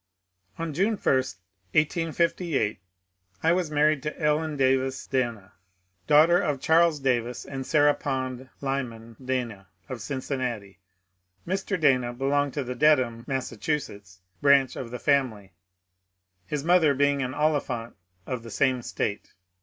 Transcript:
^ On June 1, 1858, I was married to Ellen Davis Dana, daughter of Charles Davis and Sarah Pond (Lyman) Dana of Cincinnati. Mr. Dana belonged to the Dedham (Massachu setts) branch of the family, his mother being an Oliphant of the same State.